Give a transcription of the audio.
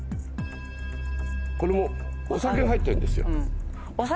これもお酒入ってるんですよ。